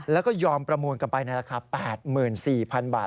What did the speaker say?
แล้วก็ยอมประมูลกันไปในราคา๘๔๐๐๐บาท